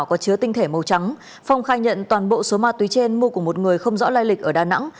có chứa tinh thể màu trắng phong khai nhận toàn bộ số ma túy trên mua của một người không rõ lai lịch ở đà nẵng